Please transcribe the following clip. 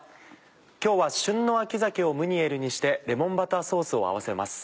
今日は旬の秋鮭をムニエルにしてレモンバターソースを合わせます。